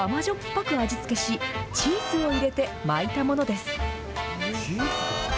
ぱく味付けし、チーズを入れて巻いたものです。